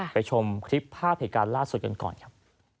ชมคลิปภาพเหตุการณ์ล่าสุดกันก่อนครับ